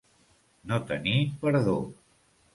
No tenir perdó.